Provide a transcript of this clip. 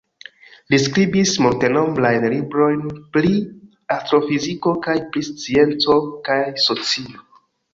Li skribis multenombrajn librojn pri astrofiziko kaj pri scienco kaj socio.